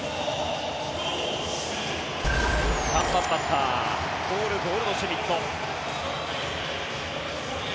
３番バッターポール・ゴールドシュミット。